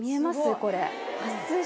これ。